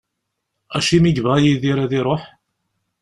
Acimi i yebɣa Yidir ad iruḥ?